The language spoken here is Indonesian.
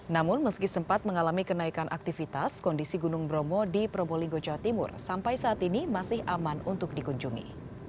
namun meski sempat mengalami kenaikan aktivitas kondisi gunung bromo di probolinggo jawa timur sampai saat ini masih aman untuk dikunjungi